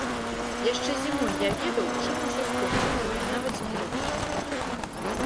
Яшчэ зімой я ведаў, чым усё скончыцца, і нават змірыўся.